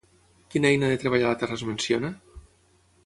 Quina eina de treballar la terra es menciona?